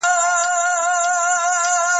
بامونه بې واورو نه وي.